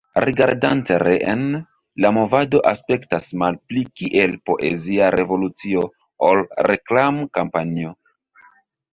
Rigardante reen, la movado aspektas malpli kiel poezia revolucio ol reklam-kampanjo.